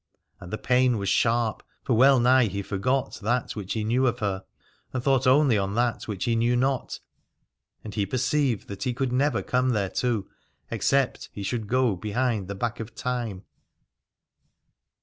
And the pain was sharp, for wellnigh he forgot that which he knew of her, and thought only on that which he knew not, and he perceived that he could never come thereto, except he should go behind the back of time.